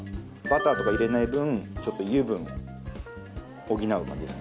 バターとか入れない分ちょっと油分を補う感じですね。